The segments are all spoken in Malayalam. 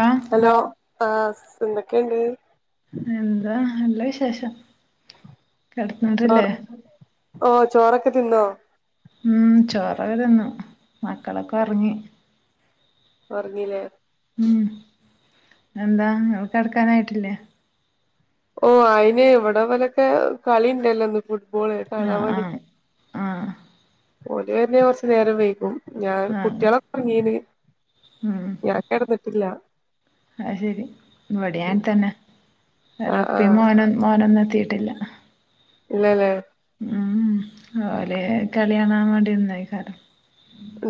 ആഹ്‌ ഹലോ ആഹ് സ് എന്തൊക്കേണ്ട് എന്താ നല്ല വിശേഷം കിടന്നിട്ടില്ലേ ചോറ് ഓഹ് ചോറൊക്ക തിന്നോ ഉം ചോറൊക തിന്നു മക്കളൊക്ക ഒറങ്ങി ഒറങ്ങീലേ ഉം എന്താ ഇങ്ങള് കിടക്കാനായിട്ടില്ലെ ഓഹ്‌ അയിന് ഇവ്ടെ ഇവലൊക്കെ കളിണ്ടലൊ ഇന്ന് ഫുട്ബോള് കാണാൻ വേണ്ടി ആഹ്‌ ഓല് വര്ണെ കൊർച് നേരം വെയ്കും ഞാൻ ആഹ് കുട്ട്യോളൊക്ക ഒർങ്ങീന്ന് ഉം ആഹ്‌ ശരി ഇവ്ടി അങ്ങൻതന്നെ ഓര് ആഹ് ഇപ്പീം ആഹ് മോനു മോനൊന്നും എത്തിയിട്ടില്ല ഇല്ലലെ ഉം ഓല് കളിയാണാവേണ്ടി ഇന്നെയ്കാരം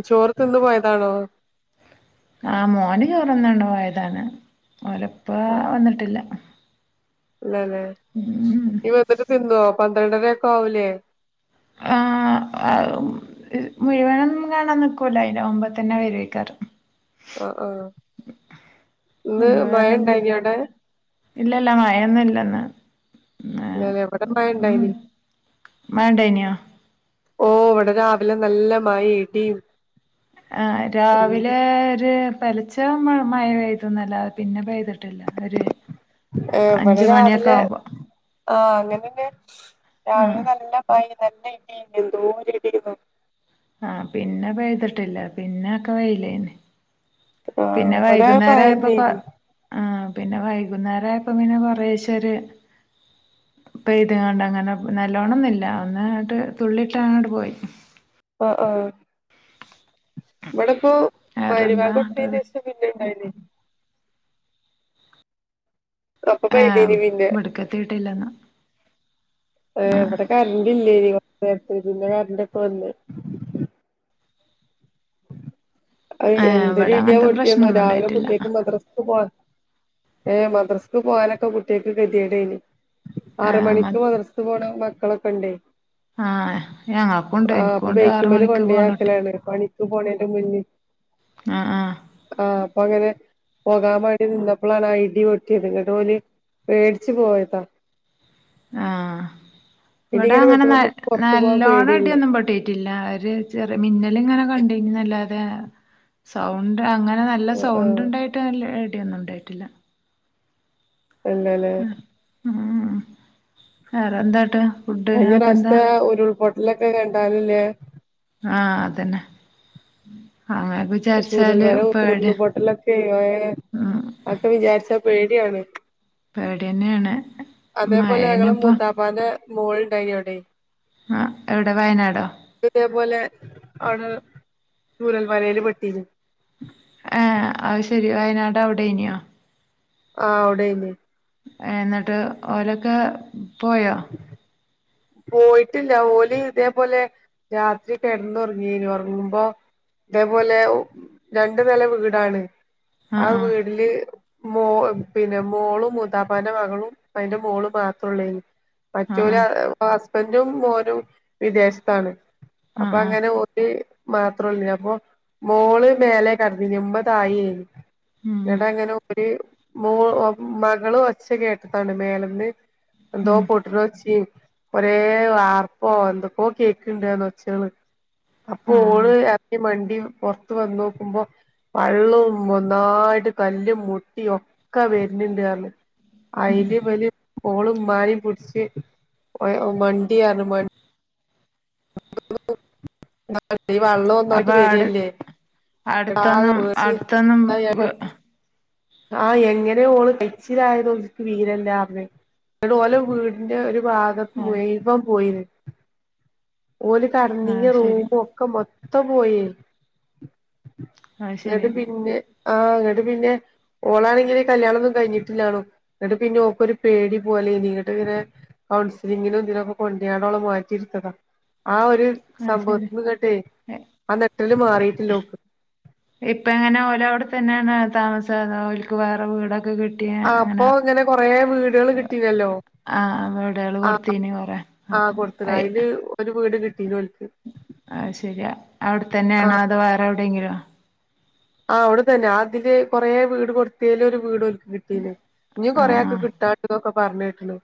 ചോർ തിന്ന് പോയതാണോ ആഹ് മോന് ചോറുന്നുണ്ട് പോയതാണ് ഒലപ്പാ വന്നിട്ടില്ല ഇല്ലലേ ഉം ഇനി വന്നിട്ട് തിന്നോ പന്ത്രണ്ടരെക്ക ആവൂലേ ആഹ് ആഹ് മുഴുവനൊന്നും കാണാൻ നിക്കൂല അതിന് മുമ്പ് തന്നെ വരുവെയ്ക്കാരം ആഹ് ആഹ് [unintelligible] ഇന്ന് മഴ ഇണ്ടായിനോ അവിടെ ഇല്ലല്ല മഴയൊന്നും ഇല്ല ഇന്ന് ഇല്ലല്ല ഇവ്ടെ മഴ ഇണ്ടയിന് മഴ ഇണ്ടായിനോ ഓഹ് ഇവിടെ രാവിലെ നല്ല മഴ ഇടീം രാവിലേ ഒര് പുലർച്ച മഴ പെയ്തുന്നല്ലാതെ പിന്ന പെയ്തിട്ടില്ല ഒരു ഏഹ് ഇവിടെ അഞ്ച് മണിയൊക്കെ രാവിലെ ആവുമ്പോ ആഹ് അങ്ങനെന്നെ രാവിലെ ആഹ് നല്ല ട [unintelligible] എന്തോര് ഇടീന്നൊ ആഹ് പിന്നെ പെയ്തട്ടില്ല പിന്നെ ഒക്കെ വെയില് ആയ്നിം ആഹ് പിന്നെ ഇവിടെ വൈകുന്നേര ആയപ്പൊക്കെ മഴന്നെന്നു ആഹ് പിന്നെ വൈകുന്നേരം ആയപ്പോ ഇങ്ങനെ കൊറേശെ ഒര് പെയ്ത്ങ്ങാണ്ടങ്ങനെ നല്ലോണം ഒന്നുല്ല ഒന്ന് ഇങ്ങട്ട് തുള്ളിയിട്ട് അങ്ങട്ട് പോയി ആഹ് ആഹ് ഇവിടെ ഇപ്പോ മഹ് വേറെന്താ രിബാങ്ക് കൊടുത്തേന് ശേഷം പിന്നിം ഇണ്ടായിനിം അപ്പൊ ഏഹ് പെയ്തീനി പിന്നെ ഇവിടക്കെത്തിയിട്ടില്ലന്ന് ആഹ് ഇവിടെ കറണ്ട് ഇല്ലേനി കുറച്ചു നേരത്തിന് പിന്നെ കറണ്ടൊക്കെ വന്ന് അഹ് ഏഹ് എന്തൊരു ഇവിടെ ഇടിയാ അങ്ങനത്തെ പൊട്ടീന്നോ പ്രശ്നൊന്നും രാവിലെ ഉണ്ടായിട്ടില്ല കുട്ടികക്ക് മദ്രാസക്ക് പോ ഏഹ് മദ്രസ്ക്ക് പോവാനൊക്കെ കുട്ട്യാക്ക് കെതേടയ്നിം ആറ് ഏഹ് മ മണിക്ക് മദ്രസക്ക് പോണ മക്കളൊക്കെ ഉണ്ടേയ് ആഹ് ഞങ്ങൾക്കുണ്ട് ആഹ് അപ്പൊ എനിക്കുണ്ട് ആറ് ബൈക്ക്മ്മല് മണിക്ക് കൊണ്ടേ പോണട്ടി ആക്കലാണ് പണിക്ക് പോണേന്റെ മുന്നേയ് ആഹ് ആഹ് ആഹ് അപ്പൊ അങ്ങനെ പോകാൻ വേണ്ടി നിന്നപ്പളാണ് ആ ഇടി പൊട്ടിയത് ഇന്നിട്ട് ഓല് പേടിച്ച് പോയതാ ആഹ് ഇവിടെ ഇടിങ്ങനെ അങ്ങനെ വെട്ടുമ്പോ ന നമ്മക്ക് പൊറത്തു പോവാൻ നല്ലോണം പേടിയല്ലേ ഇടിയൊന്നും പൊട്ടീ ട്ടില്ല ഒര് ചെറിയ മിന്നലിങ്ങനെ കണ്ടീനിന്നല്ലാതെ സൗണ്ട് അങ്ങനെ നല്ല ആഹ് സൗണ്ട് ആഹ് ഉണ്ടായിട്ട് ഇടിയൊന്നും ഉണ്ടായിട്ടില്ല ഇല്ലലേ ഊം ഉം വേറെ എന്താട്ട് കഴിഞ്ഞ പ്രാവശ്യത്തെ ഉരുൾപൊട്ടലൊക്കെ കണ്ടാല് ല്ലേ ആഹ് അതന്നെ ആഹ് [unintelligible] ചൂരൽമല ഉരുൾ പൊട്ടലൊക്കെയ് ഏഹ് അഹ് ഉം ഒക്കെ വിചാരിച്ച പേടിയാണ് പേടി തന്നെയാണ് അതേപോലെ ഞങ്ങളെ മൂത്താപ്പാന്റെ മോൾണ്ടായിനിം അവിടെ ആഹ് എവിടെ വയനാടോ ഇതേപോലെ അവിടെ ചൂരൽ മലയില് പെട്ടീനു ഏഹ് അഹ് ശരി വയനാട് അവിടെ അയ്നോ ആഹ് അവിടെ അയ്നിം ഏഹ് എന്നിട്ട് ഓലൊക്കെ പോയോ ഉ [inaudible] പോയിട്ടില്ല ഓല് ഇതേപോലെ രാത്രി കെടന്ന് ഒറങ്ങേനു ഒറങ്ങുമ്പോ ഇതേപോലെ രണ്ടു നില വീടാണ് ആ ആഹ് വീടില് മോ പിന്നെ മോളും മൂത്താപ്പന്റെ മകളും അയ്ന്റെ മോളും മാത്രം ഒള്ളായ്നിം ആഹ് മറ്റൊല് ഹസ്ബന്റും മോനും വിദേശത്താണ് ആഹ് ആഹ് അപ്പൊ ആഹ് ആഹ് അങ്ങനെ ഓല് മാത്രൊള്ളയ്നിം അപ്പൊ മോള് മേലെ കടന്നിനേ ഉമ്മ താഴേ അയ്നിം ഉം ഇന്നിട്ട് അങ്ങനെ ഓല് മോ മകള് ഒച്ച കേട്ടതാണ് മേലന്ന് എന്തോ ഉം പൊട്ട്ണ ഒച്ചയും കൊറേ ആർപ്പോ എന്തൊക്കോ കേക്ക്ണ്ട് പർഞ്ഞ് ഒച്ചകള് അപ്പൊ ആഹ് ഓള് മണ്ടി പൊർത്ത് വന്നോക്കുമ്പോ വള്ളോം ഒന്നായിട്ട് കല്ലും മുട്ടിം ഒക്കെ വെര്നിണ്ട് പർഞ്ഞ് ഉം ഉം അയ്ല് ഇവല് ഓള് ഇമ്മാനിം പുട്ച്ച് മണ്ടീ പർഞ്ഞ് മ ഈ വള്ളം അപ്പൊ ഒന്നായിട്ട് ആട് വരല്ലേ ആകെ അടുത്തൊന്നും അടുത്തൊന്നും പേടിച്ച് വ് ആഹ് എങ്ങനെ ഓള് കയ്ച്ചിലായതോൽക്ക് [unintelligible] ന്ന്ട്ട് ഓലെ വീടിന്റെ ഒരു ഭാഗം ആഹ് മുയിവ്വം പോയിന് ഓല് കെട്ന്നീന്‌യെ അത് ശരി റൂമൊക്കെ മൊത്തം പോയേ അത് ന്നട്ട് ശരി പിന്നെ ആഹ് ങ്ങട്ട് പിന്നെ ഓളാണെങ്കില് കല്യാണൊന്നും കഴിഞ്ഞിട്ടില്ലാണു ന്നട്ട് പിന്നെ ഓക്കൊരു പേടി പോലെയ്നി ന്നട്ട് ങ്ങനെ കൗൺസിലിങ്ങിനും ഇതിനൊക്കെ കൊണ്ടയാണ്ടോളെ മാറ്റിട്ത്തത ആ ഒരു അത് സംഭവത്തിന്ന്ങ്ങട്ടെ ശരി ആ ന്നെട്ടല് മാറീട്ടില്ലോക്ക് ഇപ്പങ്ങനെ ഓലവ്ട തന്നെണോ താമസ അതോൽക്ക് വേറെ വീടൊക്കെ കിട് ആഹ് ഇപ്പൊ ങ്ങനെ കൊറെ വീടള് കിട്ടീണല്ലോ ആഹ് ആഹ് വിടെള് കൊട്ത്തീനി കൊറെ ആഹ് അപ്പം കൊടുത്ത്ണ് അയ് അയില് ഒരു വീട് കിട്ടീണോൽക്ക് അത് ശെരിയാ ഔടത്തന്നെയാണോ അതോ വേറെ എവിടെങ്കിലുവ ആഹ് അവിടെതന്നെ ആതില് കൊറേ വീട് കൊടുത്തേലൊരു വീട് ഓൽക് കിട്ടീണ് ഇഞ്ഞീം കൊറെ ആഹ് ആക്ക് ആഹ് കിട്ടാണ്ട്ന്നൊക്കെ പർഞ്ഞേക്ക്ണ്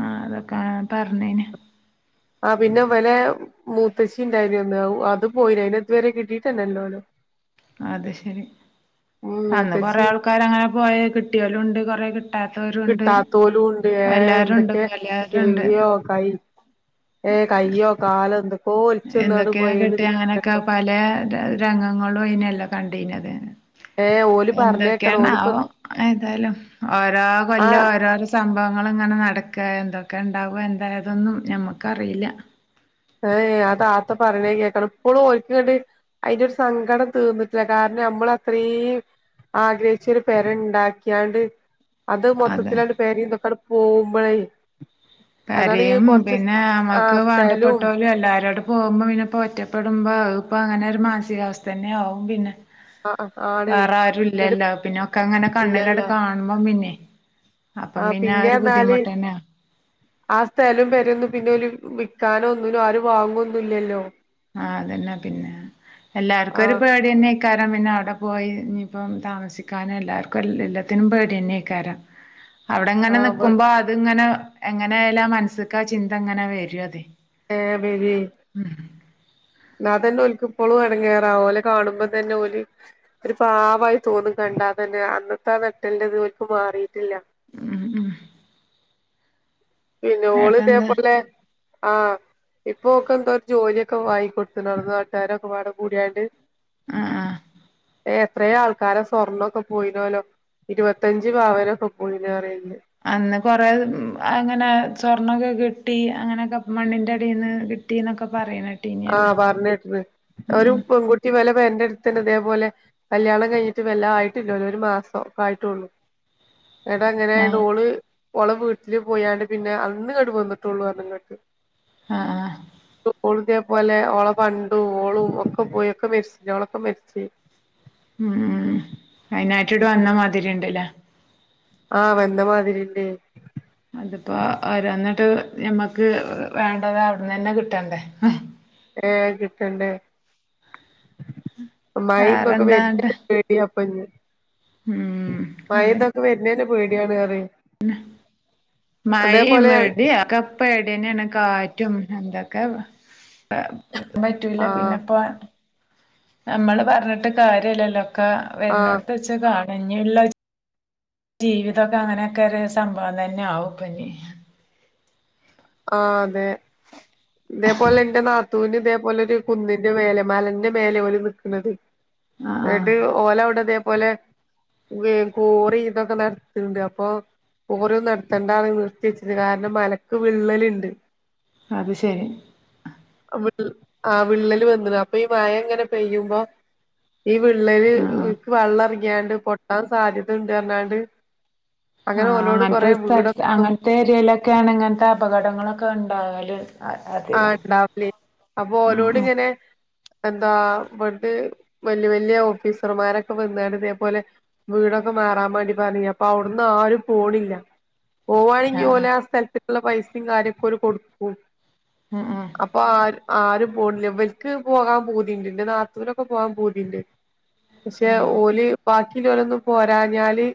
ആഹ് അതൊക്ക പർഞ്ഞേന് ആഹ് പിന്നെ വെല മൂത്തച്ചിണ്ടായ്നൊന്ന് അത് പോയിലെ അയ്നെതുവരെ കിട്ടീ [unintelligible] അത് ശെരി ഉം അന്ന് കൊറേ മൂത്തച്ചി ആൾക്കാരങ്ങനെ പോയ കിട്ട്‌യോലൂണ്ട് കൊറെ കിട് കിട്ടാത്തോലുണ്ട് ഏഹ് എല്ലാരും ഉണ്ട് എന്തൊക്കെ ഇപ്പ എല്ലാരും ഉണ്ട് ചെവിയോ കയ് ഏഹ് കയ്യോ കാലോ എന്തൊക്കോ ഒൽച്ചന്നാണ്ട് പൊയേന്ന് [unintelligible] പലേരംഗങ്ങളും അയ്നല്ലെ കണ്ടീനത് ഏഹ് ഓല് പറഞ്ഞേക്കണം എന്തൊക്കെയാണാവോ ഓലിപ്പം ഏതായാലും ഓരോ ആഹ് കൊല്ലം ഓരോ സംഭവങ്ങളിങ്ങനെ നടക്ക എന്തൊക്കെണ്ടാവ എന്തായേതൊന്നും ഞമ്മക്കറീല്ല. ഏഹ് ആ താത്ത പറിണേ കേക്കണം ഇപ്പളും ഓൽക്കിങ്ങട്ട് അയ്ന്റൊരു സങ്കടം തീർന്നിട്ടില്ല കാര്ണം നമ്മളത്രീം ആഗ്രഹിച്ചൊരു പെരണ്ടാക്ക്യാണ്ട് അത് അതെ മൊത്തത്തിലണ്ട് പെരിംന്തൊക്കണ്ട് പോകുമ്പളേ പെരിയും പിന്നെ അമ്മക്ക് സ്ഥലും വാണ്ടപ്പെട്ടോ ലും എല്ലാരോടും പോകുമ്പോ പിന്നെ ഇപ്പ ഒറ്റപ്പെടുമ്പോ അതിപ്പങ്ങനൊരു മാൻസികാവസ്ഥന്നെ ആവും പിന്നെ ആഹ് ആണ് വേറെ ആരും ഇന്നട്ട് ഇല്ലല്ലോ പിന്നൊക്കെങ്ങനെ ഇല്ലല്ല കണ്ണിലട് കാണുമ്പം പിന്നെ അപ്പം ആഹ് പിന്നെ അതൊരു ബുദ്ധിമുട്ടന്നെയ ആഹ് സ്ഥലം പെര്യന്നും പിന്നോല് വിക്കാനോന്നിനും ആരും വാങ്ങൊന്നുംല്ലല്ലോ ആഹ് അതന്നെ പിന്നെ എല്ലാർക്കൊരു ആഹ് പേ പേട്യന്നെക്കാരം പിന്നെ അവിടെ പോയി ഇഞ്ഞിപ്പം താമസിക്കാനും എല്ലാര്ക്കും എല്ലത്തിനും പേടിയെന്നെക്കാരം [inaudible] അവിടെങ്ങനെ ആഹ് ന്നിക്കുമ്പോ അത്ങ്ങനെ എങ്ങനായാലും ആ മൻസ്ക്കാ ചിന്തങ്ങനെ വെരുഅതെയ് ഏഹ് വെരെയ് ഉം ആഹ് അതന്നെ ഓൽക്ക്പ്പളും എട്ങ്ങേറ ഓലെ കാണുമ്പംതന്നെ ഓല് ഒരു പാവായി തോന്നും കണ്ടാതന്നെ അന്നത്തെ ആ ന്നെട്ടൽന്റത് ഓൽക്ക് മാറീട്ടില്ല ഉം ഉം പിന്നെ ഓള് ഏട്ടന്താ ഇതേപോലെ ആഹ് ഇപ്പോ ഓക്കെന്തോ ഒര് ജോലിയൊക്കെ വാങ്ങി കൊടുത്ത്ണ് അവ്ടത്തെ നാട്ടാരൊക്കെപ്പാട കൂടിയാണ്ട് ആഹ് ആഹ് എത്രയോ ആൾക്കാരെ സ്വർണ്ണൊക്കെ പോയിനല്ലോ ഇരുപത്തഞ്ച് പവനൊക്കെ പോയീന് പറിണ്ട് അന്ന് കൊറെ അങ്ങനെ സ്വർണൊക്കെ കിട്ടി അങ്ങനെക്കെ മണ്ണിന്റെ അടീന്ന് ട്ടിന്നൊക്കെ പറിണ് ആഹ് പർഞ്ഞേട്ട്ണ് ഒരു പെൺകുട്ടി ഇവെലെ പെരെൻ്റെട്ത്തന്നെ ഇതേ പോലെ കല്യാണം കഴിഞ്ഞിട്ട് വെല്ലാ ആയിട്ടില്ലേല്ലോ ഒരു മാസം ഒക്കെ ആയിട്ടൊള്ളൂ ന്നട്ട് എങ്ങനെണ്ട് ആഹ് ഓള് ഓളെ വീട്ടില് പോയാണ്ട് പിന്നെ അന്ന്ങ്ങട്ട് വന്നിട്ടൊള്ളൂ പർഞ് ഇങ്ങട്ട് ആഹ് ആഹ് [unintelligible] പോലെ ഓളെ പണ്ടും ഓളും ഒക്കെ പോയി ഒക്കെ മെരിച്ച്ലേ ഓളൊക്കെ മെരിച്ച് ഉം ഉം അയിനായിട്ട്ണ്ട് വന്ന മാതിരിണ്ട്ലെ ആഹ് വെന്ന മാതിരിണ്ടെ അതിപ്പോ ഓരോന്ന്ട് ഞമ്മക്ക് വേണ്ടത് അവിട്ന്നന്നെ കിട്ടണ്ടേ ഏഹ് കിട്ടണ്ടേ മഴിം ഇതൊക്കെ വെര്ന് വേറെന്താണ്ട് പേടിയാപ്പഞ്ഞ് ഉം മഴിം ഇതൊക്കെ വെര്നന്നെ പേടിയാണ് പറ്യേ മയിം, ആഹ് ഇടിം ഒക്കെ പേടിയന്നേണ് കാറ്റും എന്തൊക്കെ വ പറ്റൂല ആഹ് പിന്നെപ്പ നമ്മള് പർഞ്ഞിട്ട് കാര്യല്ലല്ലോ ഒക്കെ വെര്നോട്ത്തച്ച് കാണ ഇഞ്ഞ്ള്ളെ ജീവിതം ഒക്കെ അങ്ങനെക്കെ ഒരു സംഭവം തന്നെ ആവും ഇപ്പ ഇഞ്ഞ് ആഹ് അതെ തേപോലെ ന്റെ നാ ത്തൂന് ഇതേപോലെ ഒരു കുന്നിന്റെ മേലെ മലന്റെ മേലെ ഓല് നിക്ക്ണത് ആഹ് ഇന്നട്ട് ഓല അവ്ടെ ഇതേപോലെ [unintelligible] കോറി ഇതൊക്കെ നടത്ത്ണ്ട് അപ്പൊ ഓരോന്നും [unintelligible] ത്തണ്ടാന്ന് നിർത്യച്ച്ണ് കാരണം മലക്ക് വിള്ളല്ണ്ട് അത് ശരി അവിൾ ആഹ് വിള്ളല് വന്ന്ണ് അപ്പ ഈ മഴങ്ങനെ പെയ്യുമ്പോ ഈ വിള്ളല് ആഹ് ആഹ് ഇക്ക് വെള്ളർങ്ങിയാണ്ട് പൊട്ടാൻ സാധ്യതണ്ട് അർഞ്ഞാണ്ട് ആഹ് അങ്ങൻത്തെ സ്ഥൽത് അങ്ങൻത്തെ ഏരിയേലൊക്കെണ് ഇങ്ങൻത്തെ അപകടങ്ങളൊക്കെ ഇണ്ടാകല് ആഹ് ഇണ്ടാവലേ അപ്പൊ ഉം ഓലോട് ഇങ്ങനെ ഉം എന്താ [unintelligible] വെല്യേ വെല്യേ ഓഫീസർമാരൊക്കെ വന്നാണ്ട് ഇതേപോലെ വീടൊക്കെ മാറാൻ മാണ്ടി പർഞ്ഞീനി അപ്പൊ അവ്ട്ന്നാരും പോണില്ല പോവാണെങ്കി ആഹ് ഓലാ സ്ഥൽത്ക്ക്ള്ളെ പൈസിം കാര്യാക്കോല് കൊടുക്കും എഹ് എഹ് അപ്പൊ ആര് ആരും പോണില്ല ഇവൽക്ക് പോകാൻ പൂതിണ്ട് ഇൻ്റെ നാത്തൂനൊക്കെ പോകാൻ പൂതിണ്ട് പക്ഷെ ഓല് ബാക്കില്ലോലൊന്നും പോരാഞ്ഞാല്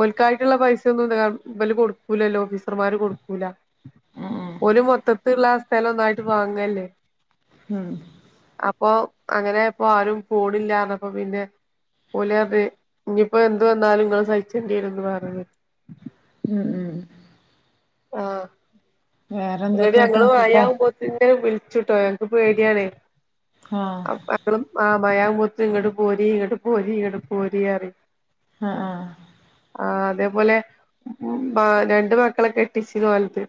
ഓൽക്കായിട്ടുള്ള പൈസ ഒന്നും ഇബല് കൊടുക്കൂലല്ലോ ഓഫീസർമാര് കൊടുക്കൂല ഉം ഉം ഓല് മൊത്തത്ത്ള്ള ആ സ്ഥലൊന്നായിട്ട് വാങ്ങല്ലേ ആഹ് അപ്പൊ അങ്ങനെ ഇപ്പൊ ആരും പോണില്ലാർന്നപ്പം പിന്നെ ഓല് അർഞ്ഞ് ഇഞ്പ്പോ എന്ത് വന്നാലും ഇങ്ങള് സഹിച്ചണ്ട്യേരുംന്ന് പർഞ്ഞ് ഉം ഉം ആഹ് ഇന്നട്ട് വേറെന്തൊക്കെയാട്ട് ഞങ്ങള് ഫുഡാ മഴവുമ്പോ തിങ്ങനെ വിൾച്ചുട്ടോ ഞങ്ങക്ക് പേടിയാണെ ആഹ് ളും ആഹ് മഴ ആവുമ്പോത്തിന് ഇങ്ങട്ട് പോരി ഇങ്ങട്ട് പോരി ഇങ്ങട്ട് പോരി അറിം ആഹ് ആഹ് ആഹ് അതേപോലെ ഉ ആഹ് രണ്ട് മക്കളെ കെ ട്ടിച്ച്ണോല്ത്.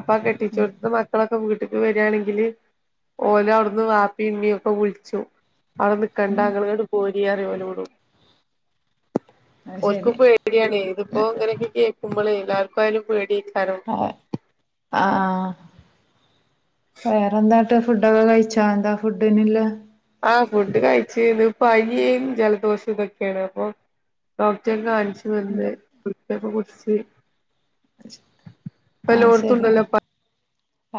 അപ്പാ കെട്ടിച്ചോട്ത്ത മ ക്കളൊക്കെ വീട്ട്ക്ക് വരാണെങ്കില് ഓലവിടുന്ന് വപ്പിമ്മീം ഒക്കെ വുൾച്ചും അവടെ നിക്കണ്ടാങ്ങള്ങ്ങട്ട് പോരിയറി ഓലോടും അത് ശരി ഓൽക്ക്പ്പേ ടിയാണേ ഇത്പ്പൊ ങ്ങനെയൊക്കെ കേക്കുമ്പളേ ല്ലാർക്കു ആയാലും പേടിയെയ്ക്കാരം അ ആഹ് വേറെന്താട്ട് ഫുഡൊക്കെ കഴിച്ചാ ന്താ ഫുഡിനില്ല ആഹ് ഫുഡ് കഴിച്ചു ന്ന് പനിയും ജലദോഷോതൊക്കേണ് അപ്പൊ ഡോക്ടറെ കാണിച്ച് വന്നു അതെ [unintelligible] കുടിച്ചു പ്പെല്ലോട്ത്തുണ്ടല്ലോ പ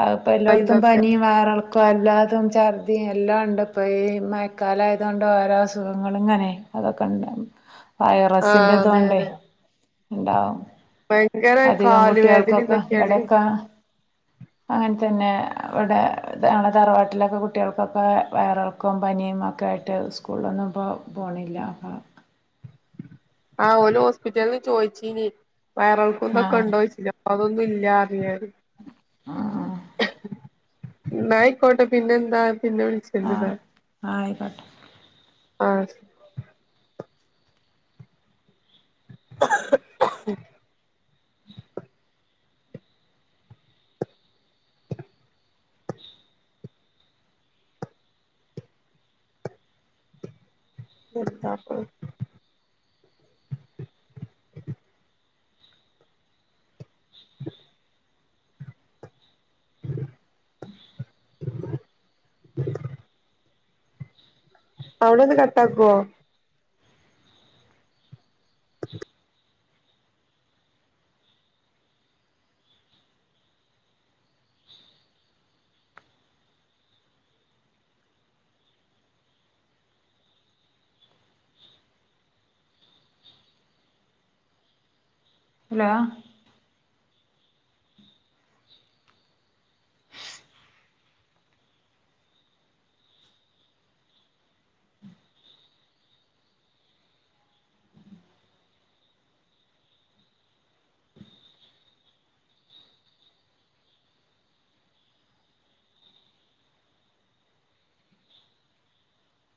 അഹ് പ്പൊല്ലോട്ത്തും പനിയും വയറളക്ക ക്കോ ല്ലാതും ഛർദിയും എല്ലാണ്ട്പ്പയീ മയക്കാലായതോണ്ടോരോ അസുഖങ്ങള്ങ്ങനെ അതൊക്കണ്ട് ആഹ് അതെ അതെ ഉണ്ടാവും ഭയങ്കര അധികം കാല് വേദനിണിം കുട്ടികൾക്കൊക്കെ തൊക്കേണ് അങ്ങൻന്നെ വടെ ഞങ്ങളെ തറവാട്ടിലൊക്കെ കുട്ടികൾക്കൊക്കെ വയറൾക്ക ക്കോം പനിയും ഒക്കായിട്ട് സ്കൂളിലൊന്നും പ്പൊ പോണില്ല അപ്പോ ആഹ് ഓലോസ്പിറ്റൽന്ന് ചോയ്ച്ചീനി വയറൾക്കോം ആ തൊക്കെണ്ടോയ്ച്ചീനി അപ്പതൊന്നുല്ലർഞ്ഞു ഞാൻ ആ ന്നായ്ക്കോട്ടെ പിന്നെന്താ പിന്നെ വിൾച്ച ആ [unintelligible] ആയിക്കോട്ടെ ആഹ് [unintelligible] [unintelligible] [inaudible] [unintelligible] [unintelligible] അവ്ടൊന്ന് കട്ടാക്കോ ഹലോ